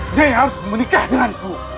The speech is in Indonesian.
nyanyi harus menikah denganku